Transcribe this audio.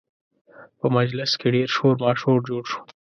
په مجلس کې ډېر شور ماشور جوړ شو